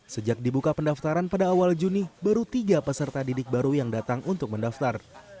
sejak dibuka pendaftaran pada awal juni baru tiga peserta didik baru yang datang untuk mendaftar